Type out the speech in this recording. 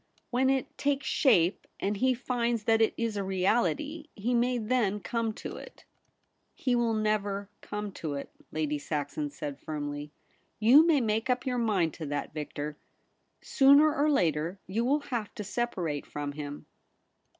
When it takes shape and he finds that it is a reality, he may then come to it.' 62 THE REBEL ROSE. ' He will never come to it,' Lady Saxon said firmly. * You may make up your mind to that, Victor. Sooner or later, you will have to separate from him.'